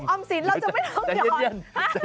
กระปุ๊บอ่อมสินเราจะไม่ต้องหย่อน